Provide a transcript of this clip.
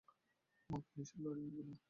ওহ, পুলিশের গাড়িগুলো।